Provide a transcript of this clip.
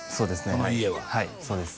この家ははいそうです